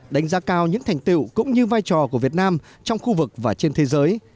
đánh giá cao những thành tiệu cũng như vai trò của việt nam trong khu vực và trên thế giới